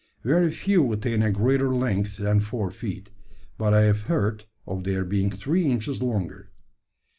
Very few attain a greater length than four feet; but I have heard of their being three inches longer.